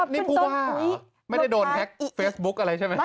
นี่ผู้ว่าไม่ได้โดนแฮ็กเฟซบุ๊กอะไรใช่ไหม